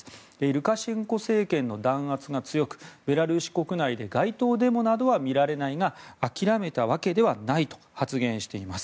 ルカシェンコ政権の弾圧が強くベラルーシ国内で街頭デモなどは見られないが諦めたわけではないと発言しています。